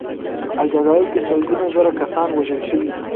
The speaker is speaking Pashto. په الجزایر کې سلګونه زره کسان وژل شوي دي.